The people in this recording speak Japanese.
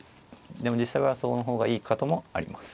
でも実際はその方がいいこともあります。